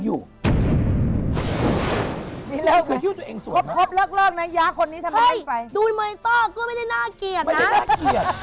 จนถึงวินาทีณบัตรดาว